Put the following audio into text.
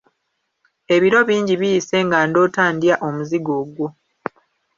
Ebiro bingi biyise nga ndoota ndya omuzigo ogwo.